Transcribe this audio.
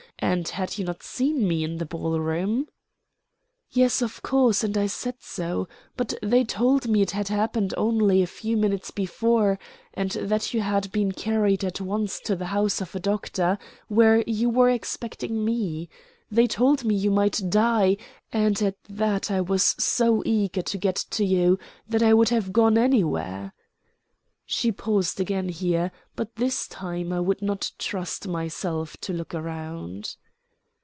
And had you not seen me in the ball room?" "Yes, of course, and I said so. But they told me it had happened only a few minutes before, and that you had been carried at once to the house of a doctor, where you were expecting me. They told me you might die, and at that I was so eager to get to you that I would have gone anywhere." She paused again here, but this time I would not trust myself to look round.